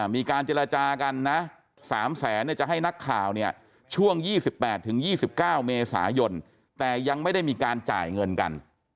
มีการเจรจากันนะ๓แสนจะให้นักข่าวเนี่ยช่วง๒๘๒๙เมษายนแต่ยังไม่ได้มีการจ่ายเงินกัน